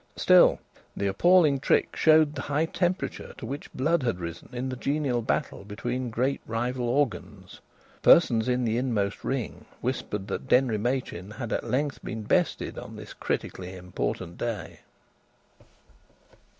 Still, the appalling trick showed the high temperature to which blood had risen in the genial battle between great rival organs. Persons in the inmost ring whispered that Denry Machin had at length been bested on this critically important day.